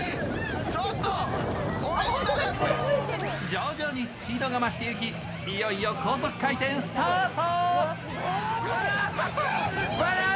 徐々にスピードが増していきいよいよ高速回転スタート。